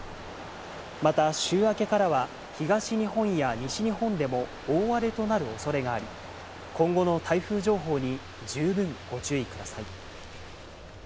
また週明けからは東日本や西日本でも大荒れとなる恐れがあり、今後の台風情報に十分ご注意ください。